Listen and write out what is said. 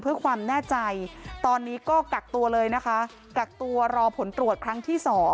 เพื่อความแน่ใจตอนนี้ก็กักตัวเลยนะคะกักตัวรอผลตรวจครั้งที่๒